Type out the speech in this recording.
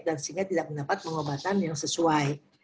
dan sehingga tidak mendapat pengobatan yang sesuai